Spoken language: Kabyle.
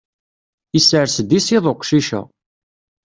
Isers-d iṣiḍ uqcic-a.